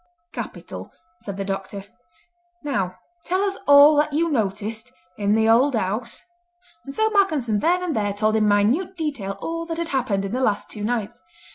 "Capital," said the doctor. "Now tell us all that you noticed in the old house," and so Malcolmson then and there told in minute detail all that had happened in the last two nights.